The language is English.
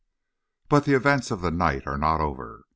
But the events of the night are not over.